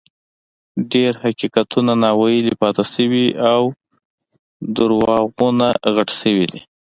ډېر حقیقتونه ناویلي پاتې شوي او دروغونه غټ شوي دي.